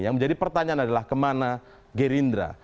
yang menjadi pertanyaan adalah kemana gerindra